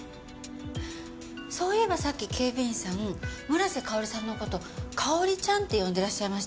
そういえばさっき警備員さん村瀬香織さんの事「香織ちゃん」って呼んでらっしゃいましたよね？